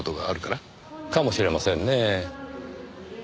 かもしれませんねぇ。